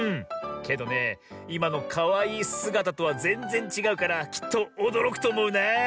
けどねいまのかわいいすがたとはぜんぜんちがうからきっとおどろくとおもうな。